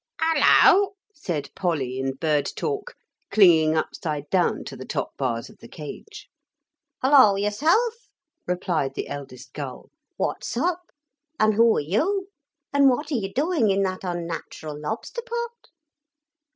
'Hullo!' said Polly in bird talk, clinging upside down to the top bars of the cage. 'Hullo, yourself,' replied the eldest gull; 'what's up? And who are you? And what are you doing in that unnatural lobster pot?'